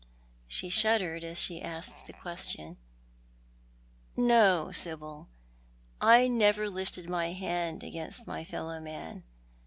" She shuddered as she asked the question. " Ko, Sibyl. I never lifted my hand against my fellow man.